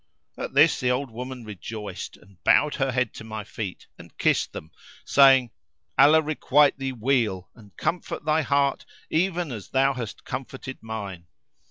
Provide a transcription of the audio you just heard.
At this the old woman rejoiced and bowed her head to my feet and kissed them, saying, "Allah requite thee weal, and comfort thy heart even as thou hast comforted mine!